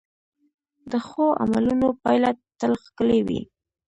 د ښو عملونو پایله تل ښکلې وي.